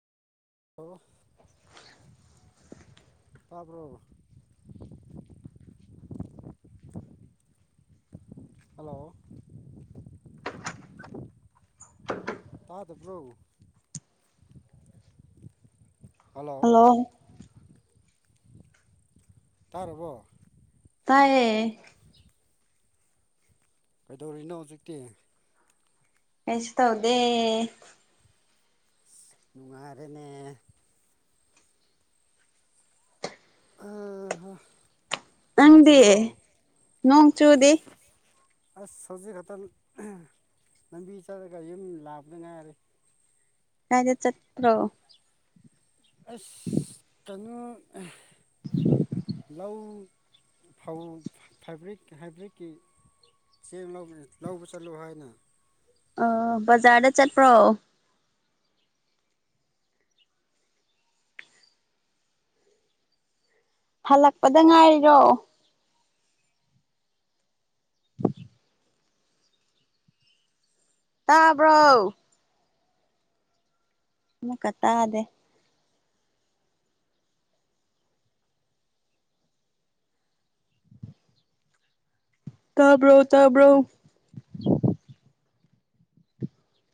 ꯑꯣ [inaudible] ꯇꯥꯔꯕꯔ hello [inaudible] ꯇꯥꯗꯄ꯭ꯔꯣ hello ꯇꯥꯔꯔꯕꯣ ꯇꯥꯏꯌꯦꯦ ꯀꯩꯗꯧꯔꯤꯅꯣ ꯍꯧꯖꯤꯛꯇꯤ ꯀꯁꯨ ꯇꯧꯗꯦ ꯅ ꯑ ꯅꯣꯡ ꯅꯪꯗꯤ ꯆꯨꯕ꯭ꯔꯣ ꯅꯣꯡ ꯆꯨꯗꯤ ꯑꯁ ꯍꯧꯖꯤꯛ ꯈꯛꯇꯪ ꯂꯝꯕꯤ ꯆꯠꯂꯒ ꯌꯨꯝ ꯂꯥꯛꯄꯗ ꯉꯥꯏꯔꯦ ꯍꯥꯏꯗ ꯆꯠꯇ꯭ꯔꯣ ꯑꯁ ꯀꯩꯅꯣ ꯂꯧ ꯐꯧ ꯐꯦꯕ꯭ꯔꯤꯛ ꯍꯥꯏꯕ꯭ꯔꯤꯛꯀꯤ ꯆꯦꯡ ꯂꯧꯕ ꯆꯠꯂꯣ ꯍꯥꯏꯅ ꯑ ꯕꯖꯥꯔꯗ ꯆꯠꯄ꯭ꯔꯣ ꯍꯜꯂꯛꯄꯗ ꯉꯥꯏꯔꯤꯔꯣ ꯇꯥꯕ꯭ꯔꯣ ꯃ ꯀꯠꯇꯗꯦ [unintelligible] ꯇꯥꯕ꯭ꯔꯣ ꯇꯥꯕ꯭ꯔꯣ